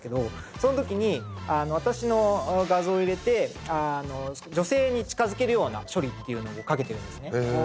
その時に私の画像を入れて女性に近付けるような処理っていうのをかけてるんですね。